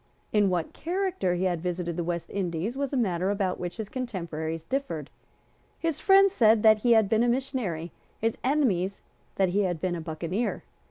In what character he had visited the West Indies was a matter about which his contemporaries differed. His friends said that he had been a missionary; his enemies that he had been a buccaneer.